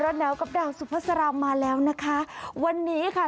หนาวกับดาวสุภาษามาแล้วนะคะวันนี้ค่ะ